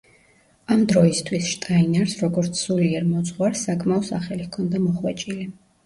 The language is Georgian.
ამ დროისთვის შტაინერს, როგორც სულიერ მოძღვარს, საკმაო სახელი ჰქონდა მოხვეჭილი.